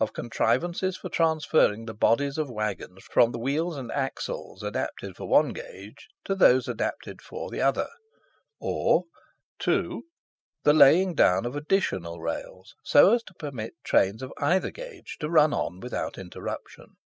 Of contrivances for transferring the bodies of waggons from the wheels and axles adapted for one gauge to those adapted for the other; or 2. The laying down of additional rails, so as to permit trains of either gauge to run on without interruption.